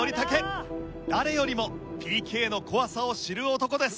誰よりもＰＫの怖さを知る男です。